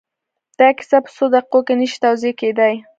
دا کيسه په څو دقيقو کې نه شي توضيح کېدای.